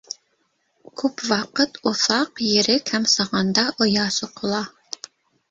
Күп ваҡыт уҫаҡ, ерек һәм сағанда оя соҡола.